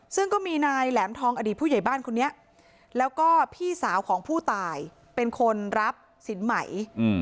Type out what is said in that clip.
ซึ่งก็มีนายแหลมทองอดีตผู้ใหญ่บ้านคนนี้แล้วก็พี่สาวของผู้ตายเป็นคนรับสินใหม่